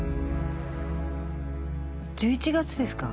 １１月ですか？